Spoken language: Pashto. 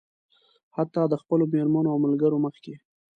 حتيٰ د خپلو مېرمنو او ملګرو مخکې.